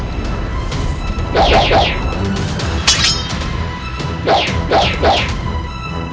aku akan menang